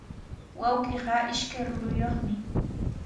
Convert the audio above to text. Wawqiiqa ishkay churiyuqmi.